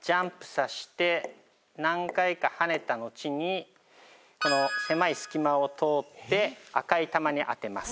何回か跳ねた後にこの狭い隙間を通って赤い球に当てます。